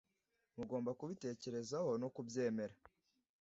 mugomba kubitekerezaho no kubyemera